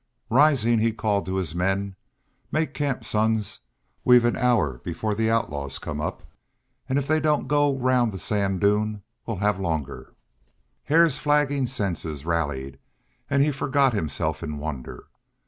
Rising, he called to his men: "Make camp, sons. We've an hour before the outlaws come up, and if they don't go round the sand dune we'll have longer." Hare's flagging senses rallied, and he forgot himself in wonder.